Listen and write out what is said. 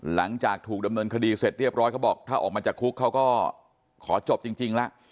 หลังจากถูกดำเนินคดีเสร็จเรียบร้อยเขาบอกถ้าออกมาจากคุกเขาก็ขอจบจริงแล้ว